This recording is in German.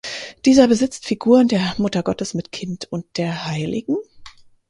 Dieser besitzt Figuren der Muttergottes mit Kind und der Hl.